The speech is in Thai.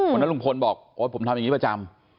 วันนั้นลุงพลบอกโอ๊ยผมทำอย่างนี้ประจำ